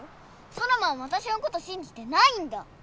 ソノマもわたしのことしんじてないんだ。